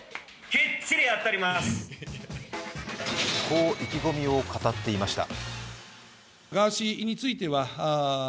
こう意気込みを語っていました。